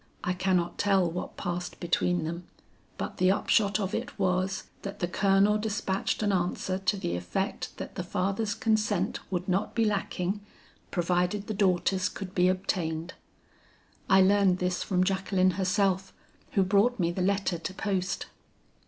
"I cannot tell what passed between them, but the upshot of it was, that the Colonel despatched an answer to the effect that the father's consent would not be lacking, provided the daughter's could be obtained. I learned this from Jacqueline herself who brought me the letter to post.